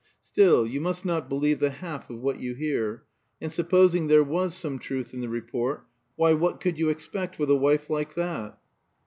Still, you must not believe the half of what you hear; and supposing there was some truth in the report, why, what could you expect with a wife like that?